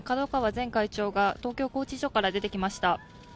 前会長が東京拘置所から出てきました。